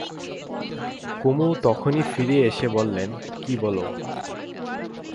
কুমু তখনই ফিরে এসে বললে, কী বলো।